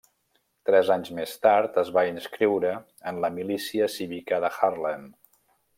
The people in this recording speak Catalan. Tres anys més tard es va inscriure en la milícia cívica de Haarlem.